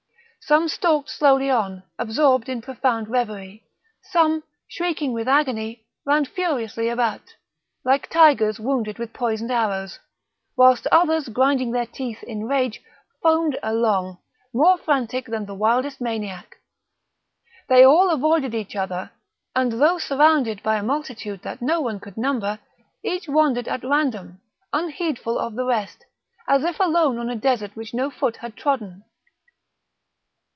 Some stalked slowly on, absorbed in profound reverie; some, shrieking with agony, ran furiously about, like tigers wounded with poisoned arrows; whilst others, grinding their teeth in rage, foamed along, more frantic than the wildest maniac. They all avoided each other, and, though surrounded by a multitude that no one could number, each wandered at random, unheedful of the rest, as if alone on a desert which no foot had trodden.